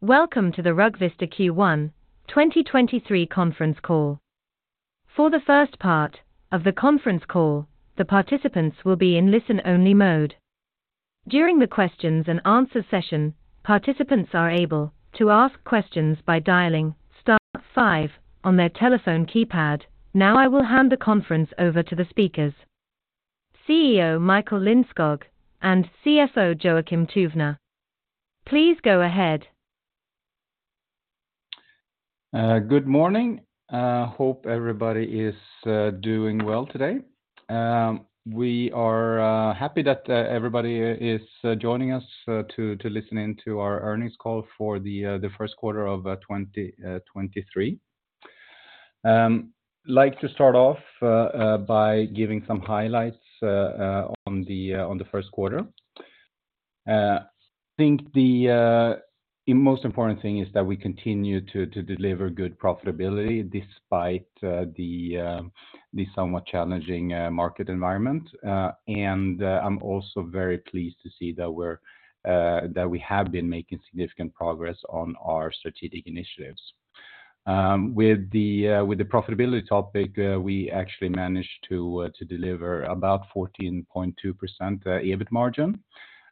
Welcome to the RugVista Q1 2023 conference call. For the first part of the conference call, the participants will be in listen-only mode. During the questions and answer session, participants are able to ask questions by dialing star five on their telephone keypad. Now I will hand the conference over to the speakers, CEO Michael Lindskog and CFO Joakim Tuvner. Please go ahead. Good morning. Hope everybody is doing well today. We are happy that everybody is joining us to listen in to our earnings call for the first quarter of 2023. Like to start off by giving some highlights on the first quarter. Think the most important thing is that we continue to deliver good profitability despite the somewhat challenging market environment. I'm also very pleased to see that we're that we have been making significant progress on our strategic initiatives. With the profitability topic, we actually managed to deliver about 14.2% EBIT margin,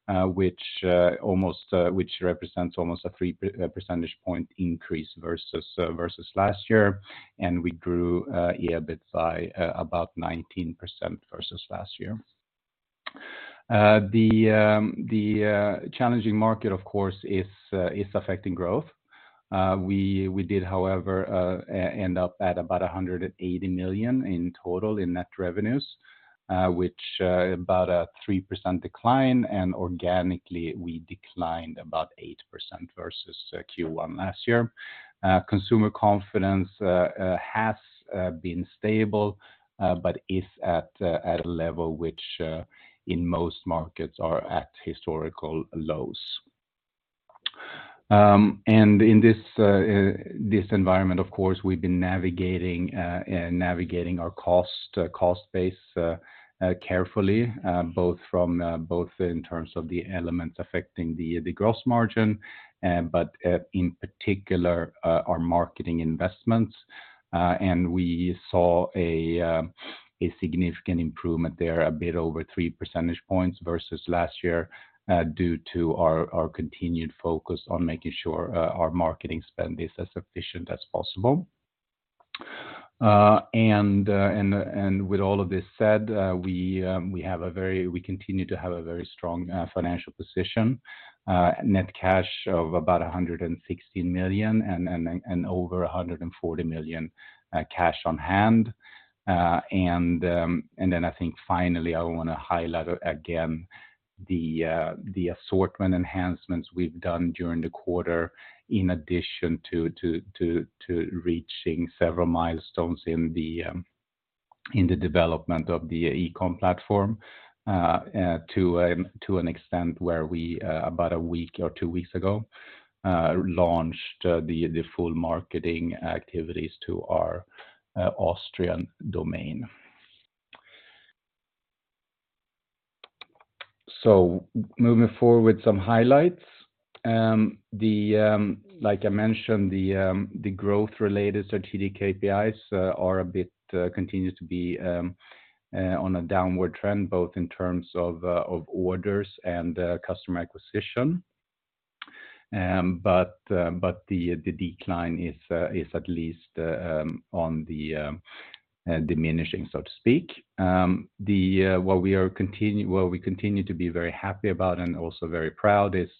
which represents almost a 3 percentage point increase versus last year. We grew EBIT by about 19% versus last year. The challenging market, of course, is affecting growth. We did, however, end up at about 180 million in total in net revenues, which about a 3% decline. Organically, we declined about 8% versus Q1 last year. Consumer confidence has been stable, but is at a level which in most markets are at historical lows. In this environment, of course, we've been navigating our cost base carefully, both in terms of the elements affecting the gross margin, but in particular, our marketing investments. We saw a significant improvement there, a bit over 3 percentage points versus last year, due to our continued focus on making sure our marketing spend is as efficient as possible. With all of this said, we continue to have a very strong financial position. Net cash of about 160 million and over 140 million cash on hand. I think finally I wanna highlight again the assortment enhancements we've done during the quarter in addition to reaching several milestones in the development of the e-com platform to an extent where we about a week or two weeks ago launched the full marketing activities to our Austrian domain. Moving forward, some highlights. The like I mentioned, the growth-related strategic KPIs are a bit continues to be on a downward trend, both in terms of orders and customer acquisition. The decline is at least on the diminishing, so to speak. The what we continue to be very happy about and also very proud is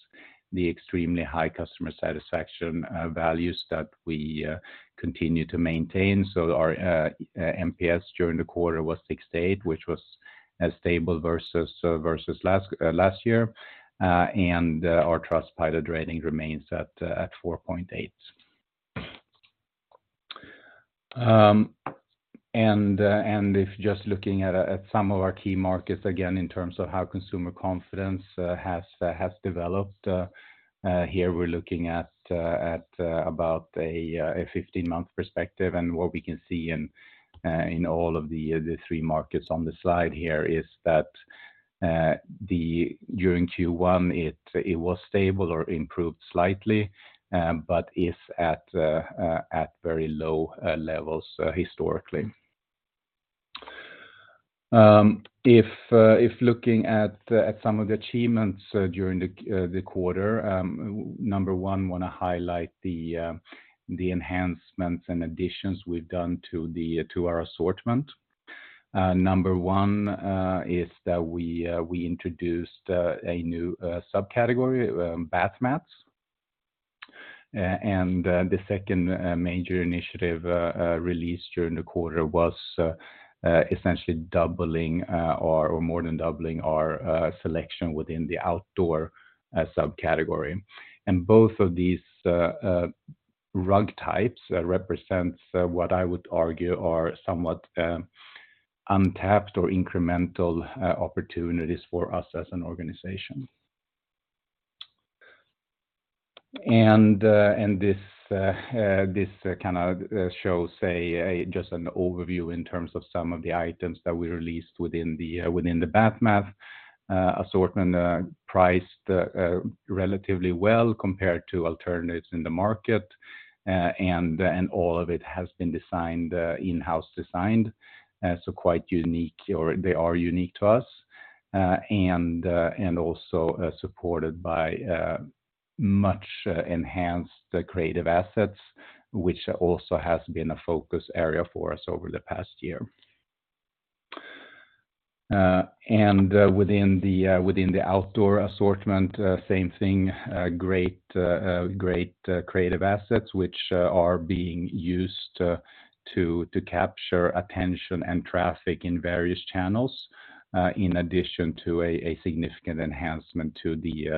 the extremely high customer satisfaction values that we continue to maintain. Our NPS during the quarter was 68, which was stable versus last year. Our Trustpilot rating remains at 4.8. And if just looking at some of our key markets, again in terms of how consumer confidence has developed, here we're looking at about a 15-month perspective. What we can see in all of the three markets on the slide here is that during Q1, it was stable or improved slightly, but is at very low levels historically. If looking at some of the achievements during the quarter, number one, wanna highlight the enhancements and additions we've done to our assortment. Number one is that we introduced a new subcategory, bath mats. The second major initiative released during the quarter was essentially doubling or more than doubling our selection within the outdoor subcategory. Both of these rug types represents what I would argue are somewhat untapped or incremental opportunities for us as an organization. This kind of shows a just an overview in terms of some of the items that we released within the within the bath mat assortment, priced relatively well compared to alternatives in the market. All of it has been designed in-house designed, so quite unique or they are unique to us. Also supported by much enhanced creative assets, which also has been a focus area for us over the past year. Within the outdoor assortment, same thing, great creative assets, which are being used to capture attention and traffic in various channels, in addition to a significant enhancement to the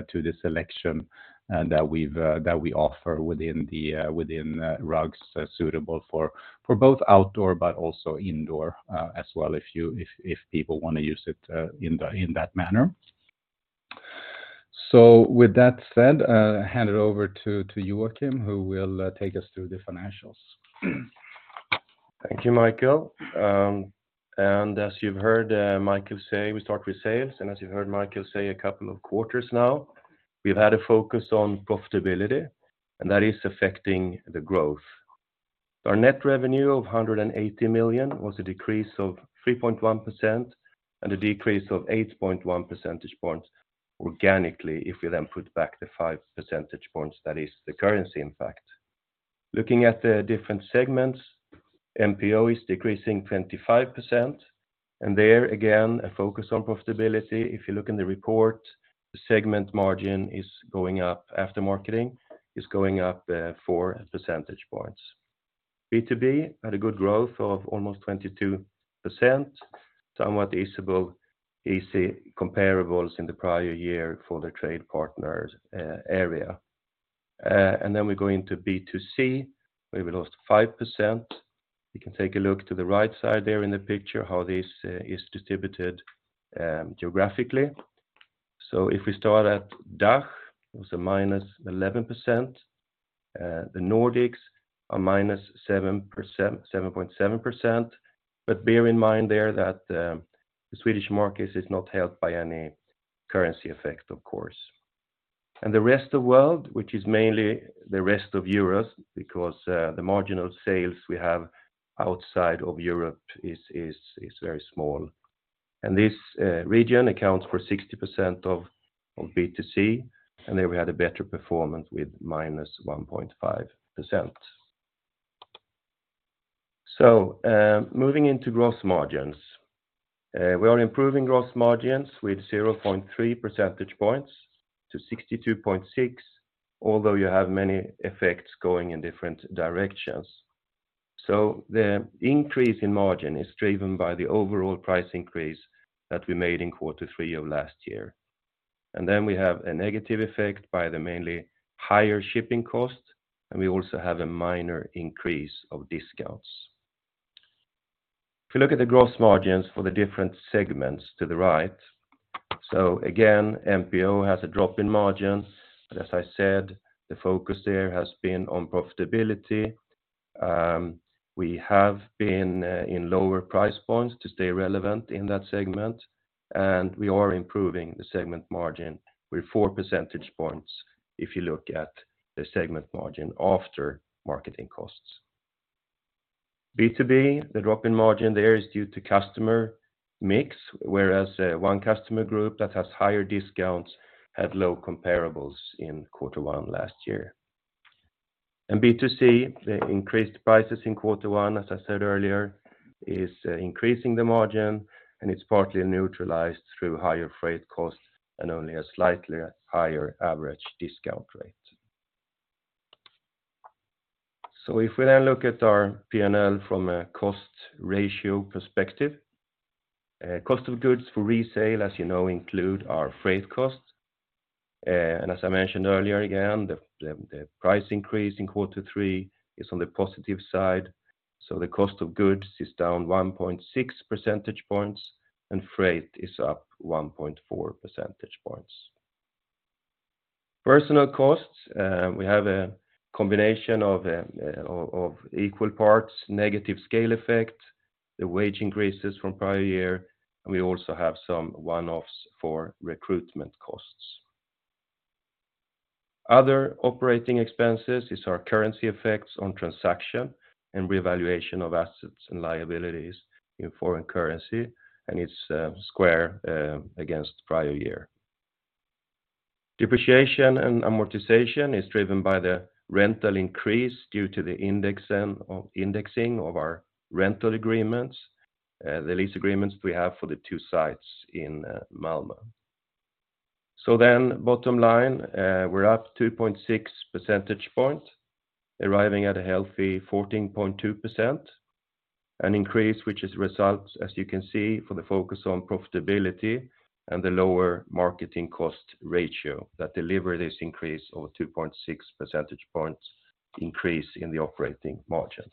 selection that we offer within rugs suitable for both outdoor but also indoor as well if people wanna use it in that manner. With that said, I'll hand it over to Joakim, who will take us through the financials. Thank you, Michael. As you've heard Michael say, we start with sales, and as you heard Michael say a couple of quarters now, we've had a focus on profitability, and that is affecting the growth. Our net revenue of 180 million was a decrease of 3.1% and a decrease of 8.1 percentage points organically, if we then put back the 5 percentage points, that is the currency impact. Looking at the different segments, MPO is decreasing 25%. There, again, a focus on profitability. If you look in the report, the segment margin is going up after marketing, is going up 4 percentage points. B2B had a good growth of almost 22%, somewhat visible easy comparables in the prior year for the trade partners area. We go into B2C, where we lost 5%. You can take a look to the right side there in the picture, how this is distributed geographically. We start at DACH, it was a -11%, the Nordics, a -7.7%. Bear in mind there that the Swedish market is not helped by any currency effect, of course. The rest of world, which is mainly the rest of Europe, because the marginal sales we have outside of Europe is very small. This region accounts for 60% of B2C, and there we had a better performance with -1.5%. Moving into gross margins. We are improving gross margins with 0.3 percentage points to 62.6%, although you have many effects going in different directions. The increase in margin is driven by the overall price increase that we made in quarter three of last year. We have a negative effect by the mainly higher shipping costs, and we also have a minor increase of discounts. If you look at the gross margins for the different segments to the right. Again, MPO has a drop in margin, but as I said, the focus there has been on profitability. We have been in lower price points to stay relevant in that segment, and we are improving the segment margin with 4 percentage points if you look at the segment margin after marketing costs. B2B, the drop-in margin there is due to customer mix, whereas one customer group that has higher discounts had low comparables in quarter one last year. B2C, the increased prices in quarter one, as I said earlier, is increasing the margin, and it's partly neutralized through higher freight costs and only a slightly higher average discount rate. If we now look at our P&L from a cost ratio perspective, cost of goods for resale, as you know, include our freight costs. As I mentioned earlier, again, the price increase in quarter three is on the positive side. The cost of goods is down 1.6 percentage points, and freight is up 1.4 percentage points. Personnel costs, we have a combination of equal parts, negative scale effect, the wage increases from prior year, and we also have some one-offs for recruitment costs. Other operating expenses is our currency effects on transaction and revaluation of assets and liabilities in foreign currency, and it's square against prior year. Depreciation and amortization is driven by the rental increase due to the indexing of our rental agreements, the lease agreements we have for the two sites in Malmö. Bottom line, we're up 2.6 percentage points, arriving at a healthy 14.2%, an increase which is a result, as you can see, for the focus on profitability and the lower marketing cost ratio that deliver this increase of a 2.6 percentage points increase in the operating margin.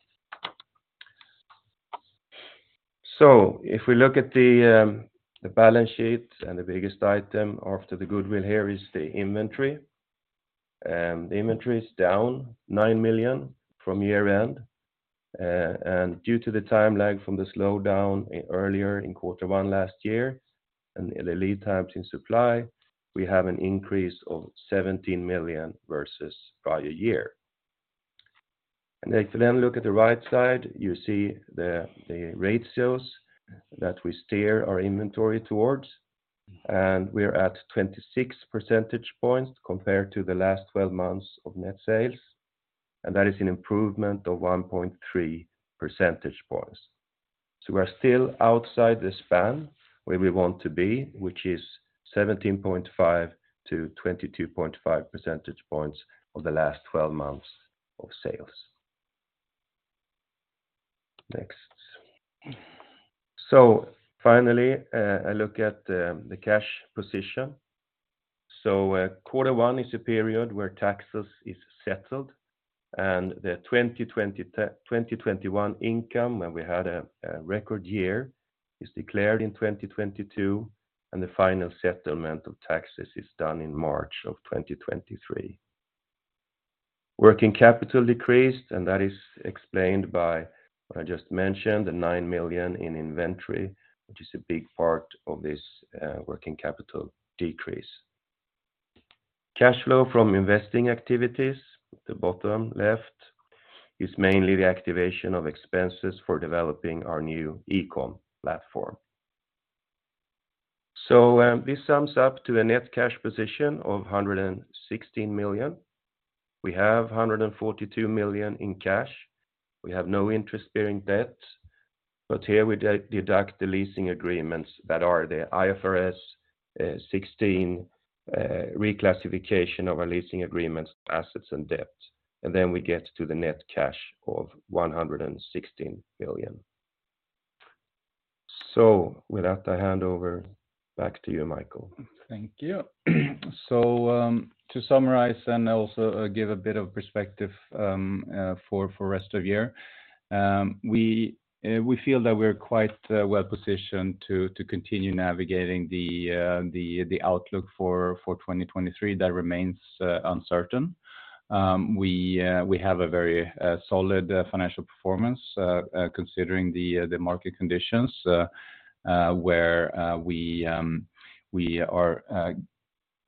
If we look at the balance sheet, the biggest item after the goodwill here is the inventory. The inventory is down 9 million from year end. Due to the timeline from the slowdown earlier in quarter one last year and the lead times in supply, we have an increase of 17 million versus prior year. If you look at the right side, you see the net sales that we steer our inventory towards, and we're at 26 percentage points compared to the last 12 months of net sales, and that is an improvement of 1.3 percentage points. We're still outside the span where we want to be, which is 17.5-22.5 percentage points of the last 12 months of sales. Next. Finally, a look at the cash position. Quarter one is a period where taxes is settled and the 2021 income, when we had a record year, is declared in 2022, and the final settlement of taxes is done in March of 2023. Working capital decreased, and that is explained by what I just mentioned, the 9 million in inventory, which is a big part of this working capital decrease. Cash flow from investing activities, at the bottom left, is mainly the activation of expenses for developing our new e-com platform. This sums up to a net cash position of 116 million. We have 142 million in cash. We have no interest bearing debt, but here we deduct the leasing agreements that are the IFRS 16 reclassification of our leasing agreements assets and debt. Then we get to the net cash of 116 million. With that, I hand over back to you, Michael. Thank you. To summarize and also give a bit of perspective for rest of year, we feel that we're quite well-positioned to continue navigating the outlook for 2023 that remains uncertain. We have a very solid financial performance considering the market conditions, where we are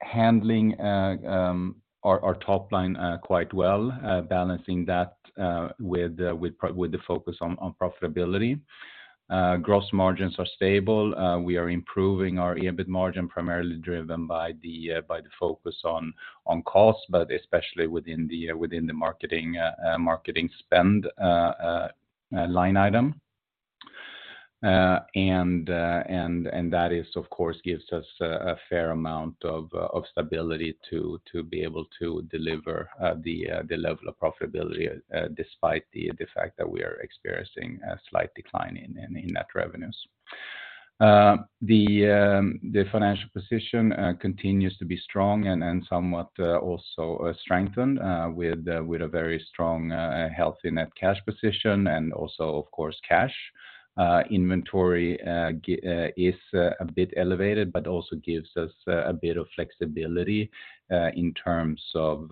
handling our top line quite well, balancing that with the focus on profitability. Gross margins are stable. We are improving our EBIT margin, primarily driven by the focus on costs, but especially within the marketing spend line item. That is of course gives us a fair amount of stability to be able to deliver the level of profitability, despite the fact that we are experiencing a slight decline in net revenues. The financial position continues to be strong and somewhat also strengthened with a very strong, healthy net cash position and also, of course, cash. Inventory is a bit elevated, but also gives us a bit of flexibility in terms of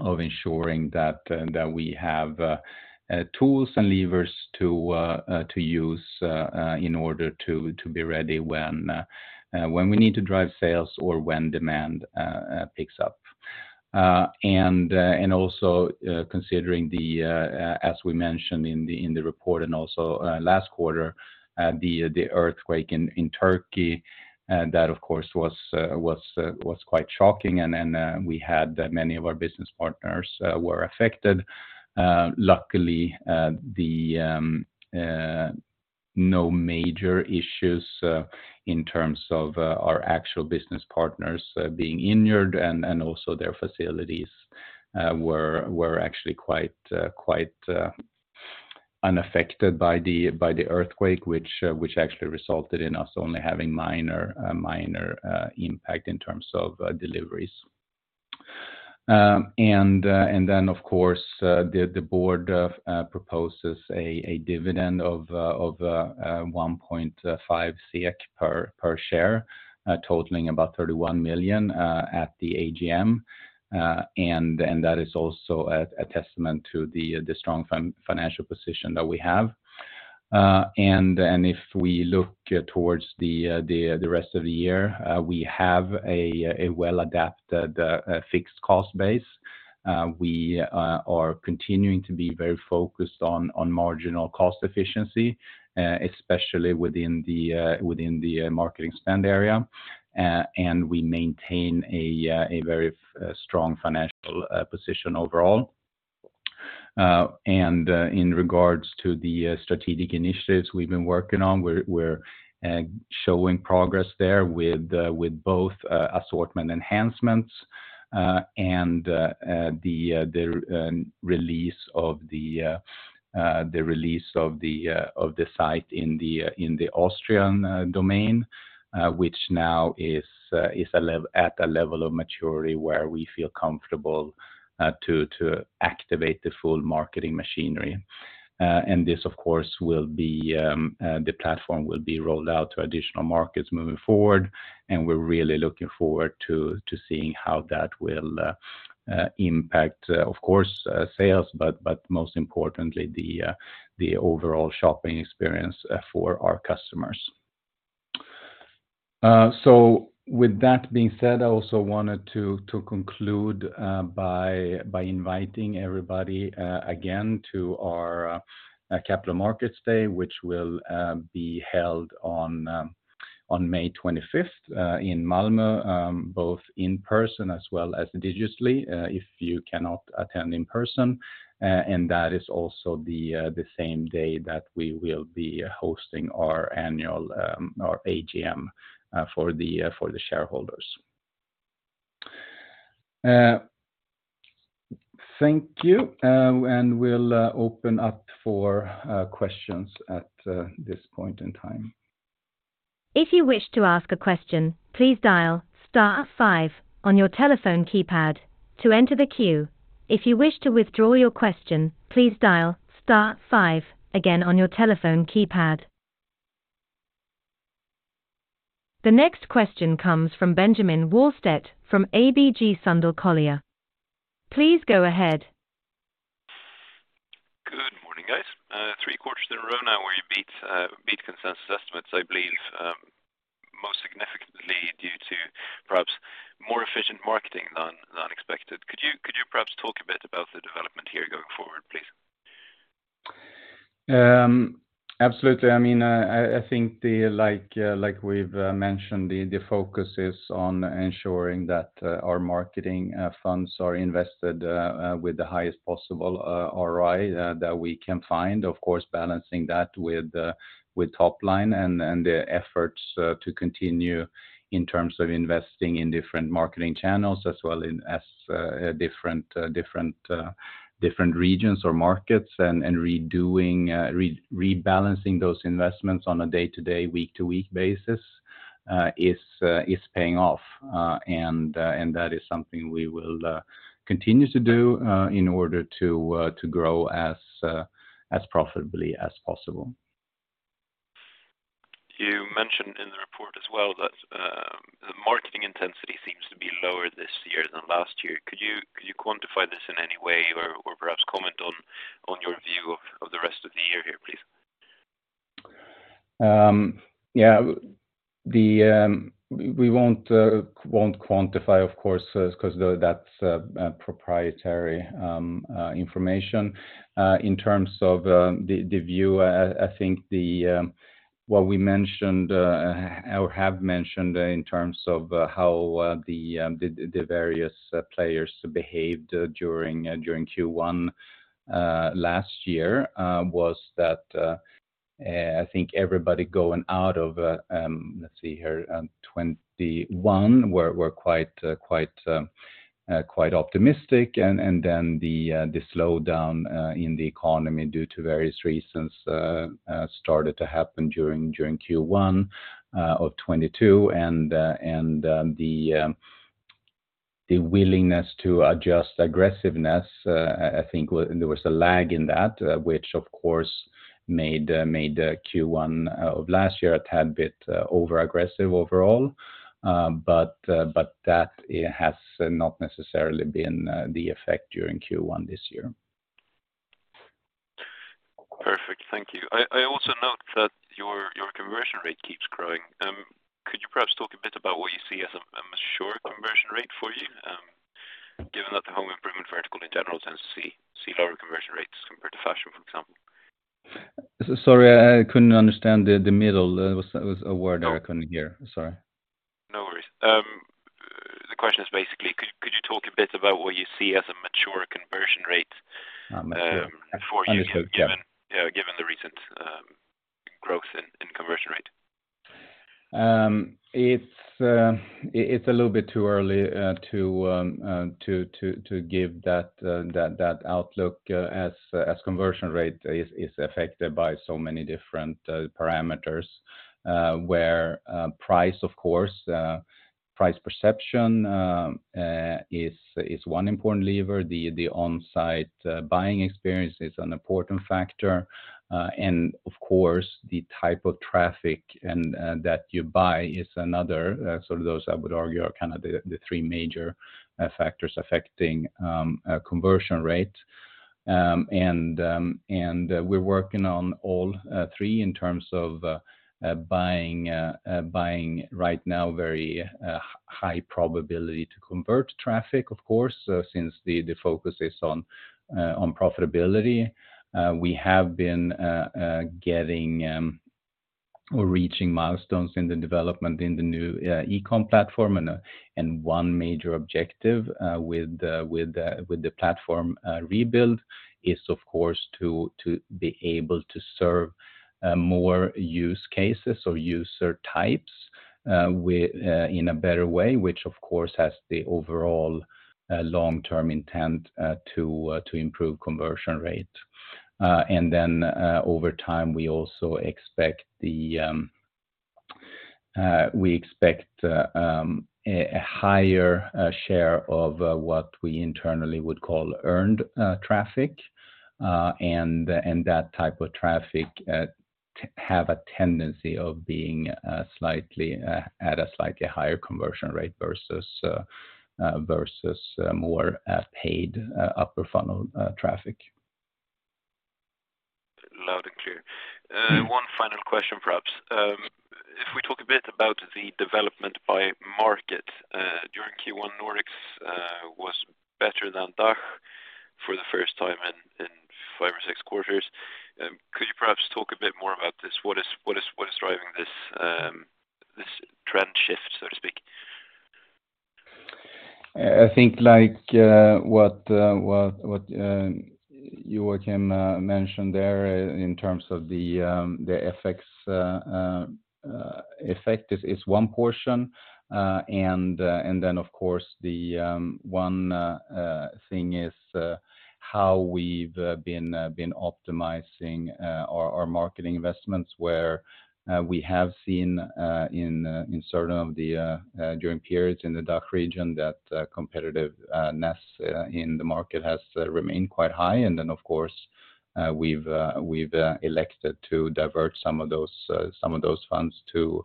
ensuring that we have tools and levers to use in order to be ready when we need to drive sales or when demand picks up. Also, considering as we mentioned in the report and last quarter, the earthquake in Turkey that of course was quite shocking. Many of our business partners were affected. Luckily, no major issues in terms of our actual business partners being injured and also their facilities were actually quite unaffected by the earthquake, which actually resulted in us only having minor impact in terms of deliveries. Of course, the board proposes a dividend of 1.5 SEK per share, totaling about 31 million at the AGM. And that is also a testament to the strong financial position that we have. And if we look towards the rest of the year, we have a well adapted fixed cost base. We are continuing to be very focused on marginal cost efficiency, especially within the marketing spend area. We maintain a very strong financial position overall. In regards to the strategic initiatives we've been working on, we're showing progress there with both assortment enhancements, and the release of the site in the Austrian domain, which now is at a level of maturity where we feel comfortable to activate the full marketing machinery. This of course will be the platform will be rolled out to additional markets moving forward, and we're really looking forward to seeing how that will impact, of course, sales, but most importantly, the overall shopping experience for our customers. With that being said, I also wanted to conclude by inviting everybody again to our Capital Markets Day, which will be held on May 25th in Malmö, both in person as well as digitally, if you cannot attend in person. That is also the same day that we will be hosting our annual AGM for the shareholders. Thank you, we'll open up for questions at this point in time. If you wish to ask a question, please dial star five on your telephone keypad to enter the queue. If you wish to withdraw your question, please dial star five again on your telephone keypad. The next question comes from Benjamin Walstedt from ABG Sundal Collier. Please go ahead. Good morning, guys. Three quarters in a row now where you beat consensus estimates, I believe, most significantly due to perhaps more efficient marketing than expected. Could you perhaps talk a bit about the development here going forward, please? Absolutely. I think, like we've mentioned, the focus is ensuring that our marketing funds are invested with the highest possible ROI that we can find. Of course, balancing that with top line and the efforts to continue in terms of investing in different marketing channels as well as different regions or markets and redoing, rebalancing those investments on a day-to-day, week-to-week basis is paying off. And that is something we will continue to do in order to grow as profitably as possible. You mentioned in the report as well that the marketing intensity seems to be lower this year than last year. Could you quantify this in any way or perhaps comment on your view of the rest of the year here, please? Yeah. The, we won't quantify, of course, because that's proprietary information. In terms of the view, I think what we mentioned or have mentioned in terms of how the various players behaved during Q1 last year was that I think everybody going out of, let's see here, 2021 were quite optimistic. Then the slowdown in the economy due to various reasons started to happen during Q1 of 2022. The willingness to adjust aggressiveness, I think there was a lag in that, which of course made Q1 of last year a tad bit overaggressive overall. That has not necessarily been the effect during Q1 this year. Perfect. Thank you. I also note that your conversion rate keeps growing. Could you perhaps talk a bit about what you see as a mature conversion rate for you, given that the home improvement vertical in general tends to see lower conversion rates compared to fashion, for example? Sorry, I couldn't understand the middle. There was a word I couldn't hear. Sorry. No worries. The question is basically could you talk a bit about what you see as a mature conversion rate? Mature. For you given- Understood. Yeah. given the recent growth in conversion rate? It's a little bit too early to give that outlook as conversion rate is affected by so many different parameters where price of course, price perception is one important lever. The on-site buying experience is an important factor. Of course, the type of traffic that you buy is another. Those I would argue are kind of the three major factors affecting conversion rate. We're working on all three in terms of buying right now very high probability to convert traffic, of course. Since the focus is on profitability, we have been getting or reaching milestones in the development in the new e-com platform. One major objective with the platform rebuild is of course to be able to serve more use cases or user types in a better way, which of course has the overall long-term intent to improve conversion rate. Over time, we expect a higher share of what we internally would call earned traffic. That type of traffic have a tendency of being at a slightly higher conversion rate versus more paid upper funnel traffic. Loud and clear. One final question perhaps. If we talk a bit about the development by market, during Q1, Nordics, was better than DACH for the first time in five or six quarters. Could you perhaps talk a bit more about this? What is driving this trend shift, so to speak? I think like what Joakim mentioned there in terms of the effect is one portion. And then of course the one thing is how we've been optimizing our marketing investments where we have seen in certain of the during periods in the DACH region that competitiveness in the market has remained quite high. Of course, we've elected to divert some of those funds to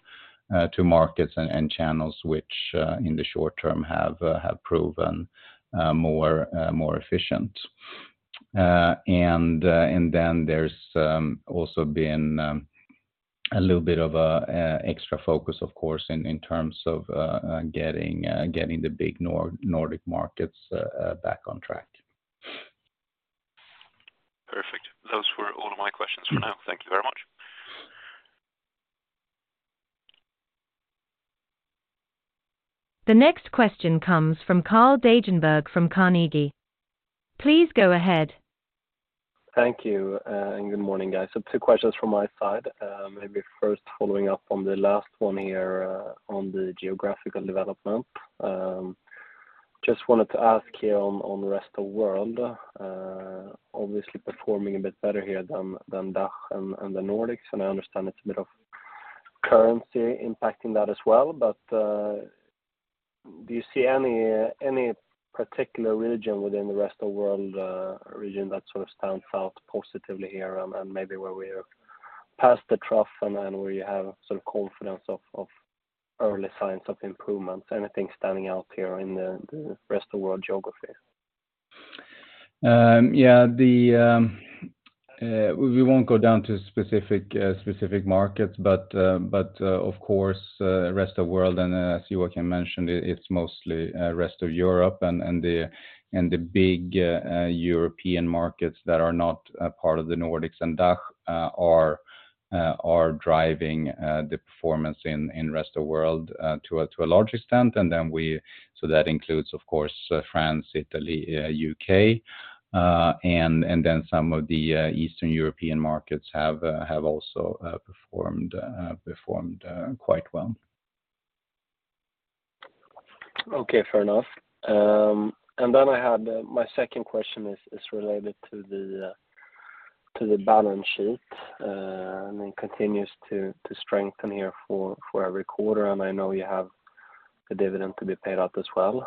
markets and channels which in the short term have proven more efficient. There's also been a little bit of extra focus of course in terms of getting the big Nordic markets back on track. Perfect. Those were all of my questions for now. Thank you very much. The next question comes from Carl Deijenberg from Carnegie. Please go ahead. Thank you, and good morning, guys. Two questions from my side. Maybe first following up on the last one here, on the geographical development. Just wanted to ask here on rest of world, obviously performing a bit better here than DACH and the Nordics, and I understand it's a bit of currency impacting that as well. Do you see any particular region within the rest of world region that sort of stands out positively here and maybe where we are past the trough and then where you have some confidence of early signs of improvements? Anything standing out here in the rest of world geography? Yeah. We won down to specific specific markets, but of course, rest of world, and as Joakim mentioned, it's mostly rest of Europe and the big European markets that are not a part of the Nordics and DACH are driving the performance in rest of world to a large extent. That includes, of course, France, Italy, U.K. Then some of the Eastern European markets have also performed quite well. Okay. Fair enough. I had my second question is related to the balance sheet, and it continues to strengthen here for every quarter, and I know you have the dividend to be paid out as well.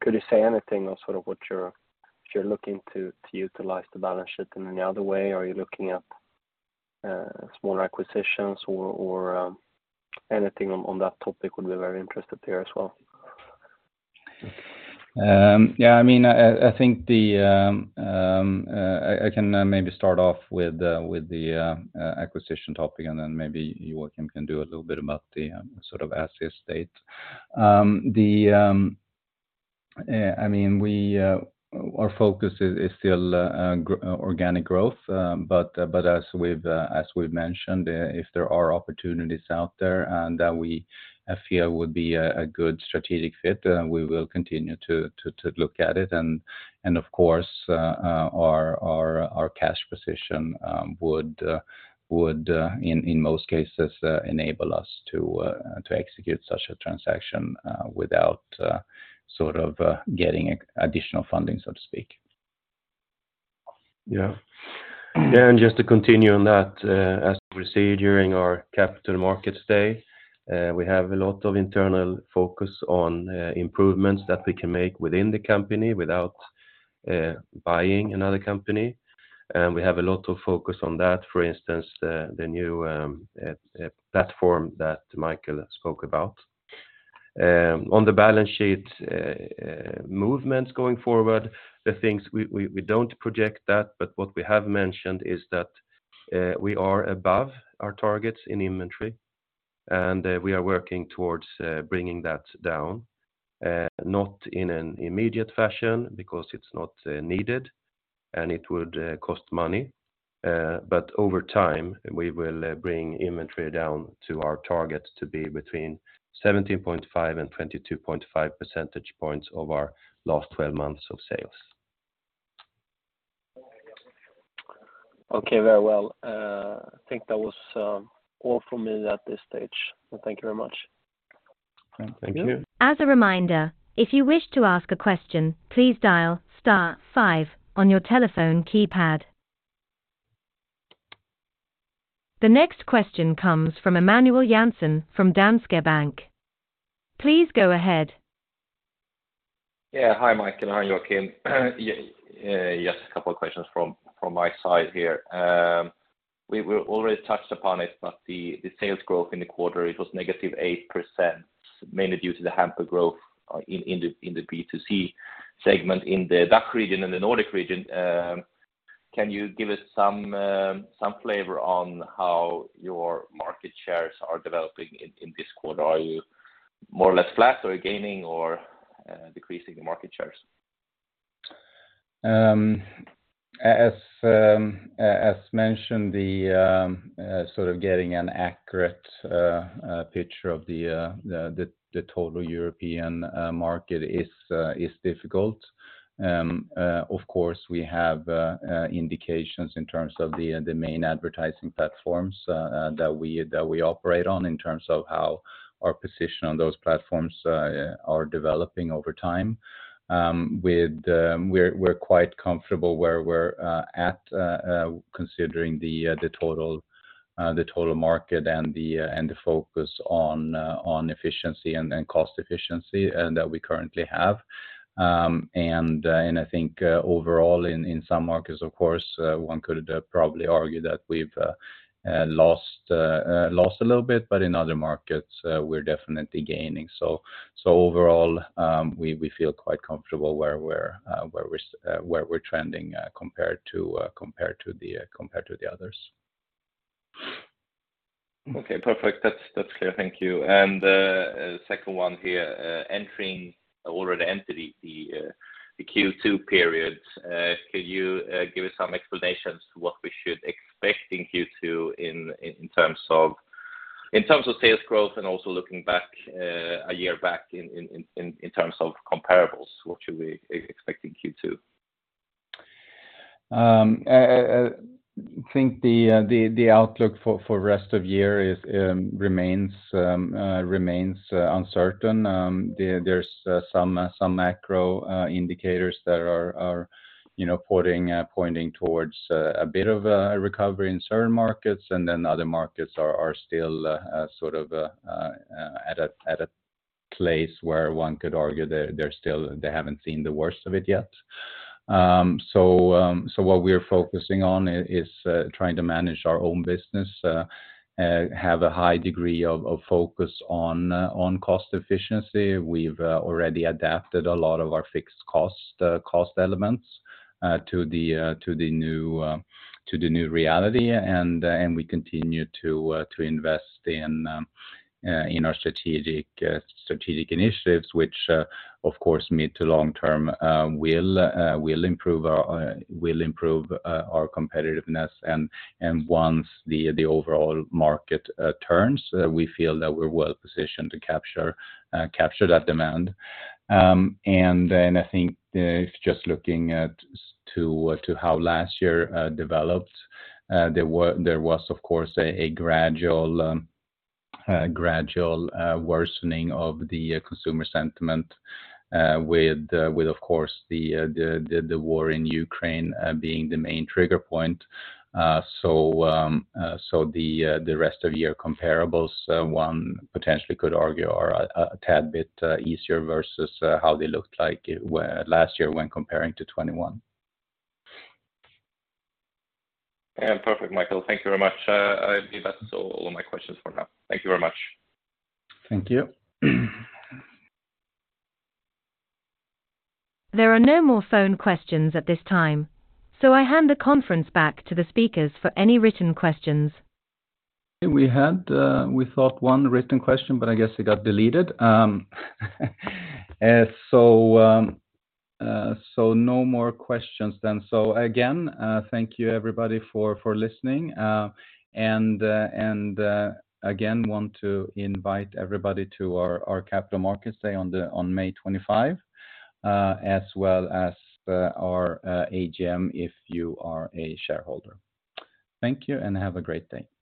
Could you say anything of sort of if you're looking to utilize the balance sheet in any other way? Are you looking at small acquisitions or anything on that topic would be very interested to hear as well? Yeah, I mean, I think the, I can maybe start off with the acquisition topic and then maybe Joakim can do a little bit about the sort of asset state. Yeah, I mean, we, our focus is still organic growth. As we've, as we've mentioned, if there are opportunities out there and that we feel would be a good strategic fit, we will continue to look at it. Of course, our cash position would in most cases enable us to execute such a transaction without sort of getting additional funding, so to speak. Yeah. Just to continue on that, as we said during our Capital Markets Day, we have a lot of internal focus on improvements that we can make within the company without buying another company. We have a lot of focus on that. For instance, the new platform that Michael spoke about. On the balance sheet movements going forward, the things we don't project that, what we have mentioned is that we are above our targets in inventory, and we are working towards bringing that down, not in an immediate fashion because it's not needed and it would cost money. Over time, we will bring inventory down to our target to be between 17.5 and 22.5 percentage points over our last 12 months of sales. Okay. Very well. I think that was all for me at this stage. Thank you very much. Thank you. As a reminder, if you wish to ask a question, please dial star five on your telephone keypad. The next question comes from Emanuel Jansson from Danske Bank. Please go ahead. Yeah. Hi, Michael. Hi, Joakim. Yes, a couple of questions from my side here. We already touched upon it but the sales growth in the quarter, it was -8%, mainly due to the hamper growth in the B2C segment in the DACH region and the Nordic region. Can you give us some flavor on how your market shares are developing in this quarter? Are you more or less flat or gaining or decreasing the market shares? As mentioned, the sort of getting an accurate picture of the total European market is difficult. Of course, we have indications in terms of the main advertising platforms that we operate on in terms of how our position on those platforms are developing over time. With, we're quite comfortable where we're at considering the total market and the focus on efficiency and then cost efficiency that we currently have. I think overall in some markets, of course, one could probably argue that we've lost a little bit, but in other markets, we're definitely gaining. Overall, we feel quite comfortable where we're trending compared to the others. Okay. Perfect. That's clear. Thank you. Second one here, entering or already entered the Q2 period. Could you give us some explanations to what we should expect in Q2 in terms of sales growth and also looking back, a year back in terms of comparables? What should we expect in Q2? I think the outlook for rest of year is remains uncertain. There's some macro indicators that are, you know, pointing towards a bit of a recovery in certain markets, and then other markets are still sort of at a place where one could argue they're still, they haven't seen the worst of it yet. What we're focusing on is trying to manage our own business, have a high degree of focus on cost efficiency. We've already adapted a lot of our fixed cost elements to the new reality. We continue to invest in our strategic initiatives, which, of course, mid to long term, will improve our competitiveness. Once the overall market turns, we feel that we're well-positioned to capture that demand. I think, just looking at to how last year developed, there was, of course, a gradual worsening of the consumer sentiment, with, of course, the war in Ukraine being the main trigger point. The rest of year comparables, one potentially could argue are a tad bit easier versus how they looked like last year when comparing to 2021. Yeah. Perfect, Michael. Thank you very much. I believe that's all of my questions for now. Thank you very much. Thank you. There are no more phone questions at this time. I hand the conference back to the speakers for any written questions. We had, we thought one written question, but I guess it got deleted. No more questions then. Again, thank you everybody for listening. Again, want to invite everybody to our Capital Markets Day on May 25, as well as our AGM if you are a shareholder. Thank you, and have a great day.